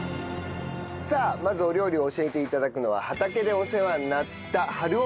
さあまずお料理を教えて頂くのは畑でお世話になった治夫さんの奥様です。